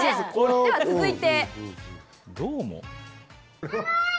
では続いて。